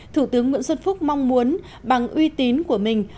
thủ tướng nguyễn xuân phúc mong muốn bằng uy tín của mình